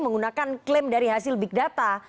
menggunakan klaim dari hasil bidata